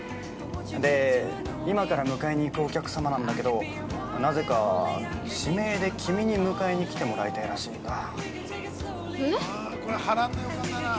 で、今から迎えに行くお客様なんだけど、なぜか指名で君に迎えに来てもらいたいらしいんだ。